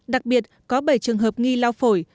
đặc biệt có bảy trường hợp nghi lao phổi